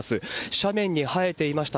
斜面に生えていました